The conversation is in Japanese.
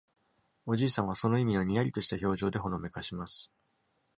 おじいさんはその意味を、にやりとした表情でほのめかします。